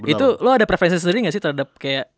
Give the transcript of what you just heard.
itu lo ada preferensi sendiri gak sih terhadap kayak